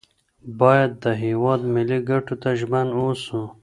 باید د هیواد ملي ګټو ته ژمن اوسو.